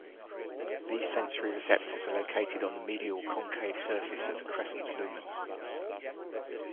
These sensory receptors are located on the medial concave surface of the crescent lumen.